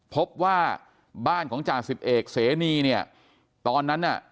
พบว่าบ้านของจ่าสิบเอกเสนีเนี่ยตอนนั้นน่ะ